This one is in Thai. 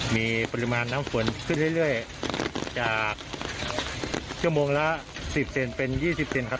มีปริมาณน้ำฝนขึ้นเรื่อยเรื่อยจากชั่วโมงละสิบเซนเป็นยี่สิบเซนครับ